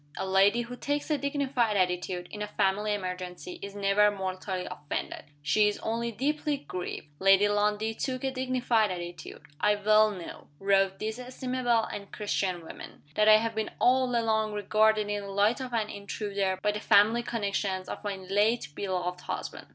A lady who takes a dignified attitude, in a family emergency, is never mortally offended she is only deeply grieved. Lady Lundie took a dignified attitude. "I well know," wrote this estimable and Christian woman, "that I have been all along regarded in the light of an intruder by the family connections of my late beloved husband.